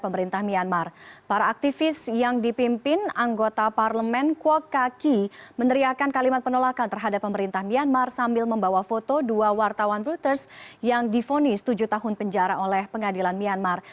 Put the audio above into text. pemerintah myanmar sambil membawa foto dua wartawan reuters yang difonis tujuh tahun penjara oleh pengadilan myanmar